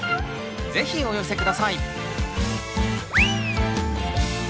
ぜひお寄せ下さい。